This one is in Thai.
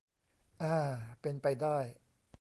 อา เป็นไปได้